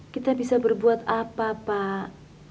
kita bisa berbuat apa pak